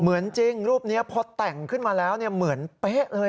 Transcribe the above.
จริงรูปนี้พอแต่งขึ้นมาแล้วเหมือนเป๊ะเลย